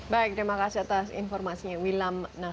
baik terima kasih atas informasinya